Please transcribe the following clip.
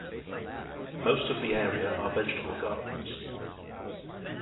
Most of the area are vegetable gardens.